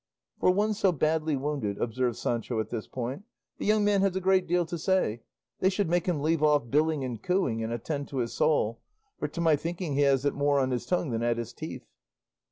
"For one so badly wounded," observed Sancho at this point, "this young man has a great deal to say; they should make him leave off billing and cooing, and attend to his soul; for to my thinking he has it more on his tongue than at his teeth."